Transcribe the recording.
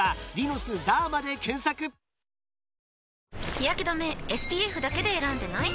日やけ止めＳＰＦだけで選んでない？